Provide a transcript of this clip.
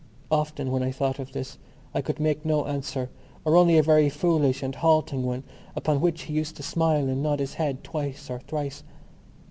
Often when I thought of this I could make no answer or only a very foolish and halting one upon which he used to smile and nod his head twice or thrice.